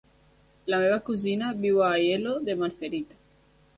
La meva cosina viu a Aielo de Malferit.